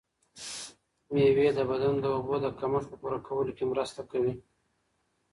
مېوې د بدن د اوبو د کمښت په پوره کولو کې مرسته کوي.